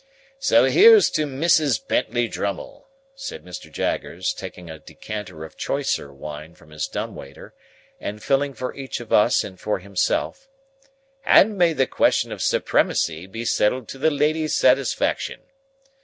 "So here's to Mrs. Bentley Drummle," said Mr. Jaggers, taking a decanter of choicer wine from his dumb waiter, and filling for each of us and for himself, "and may the question of supremacy be settled to the lady's satisfaction!